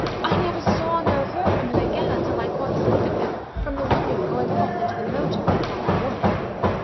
I never saw nor heard of him again until I caught sight of him from the window going off in the motor with that woman.